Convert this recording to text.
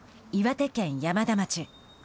岩手県山田町。